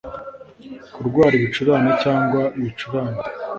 kurwara ibicurane cyangwa ibicurane!